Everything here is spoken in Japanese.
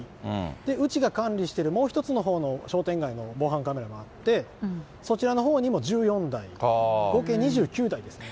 うちが管理しているもう１つのほうの防犯カメラもあって、そちらのほうにも１４台、合計２９台ですね。